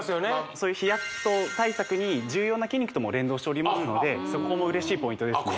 そういうヒヤッと対策に重要な筋肉とも連動しておりますのでそこも嬉しいポイントですね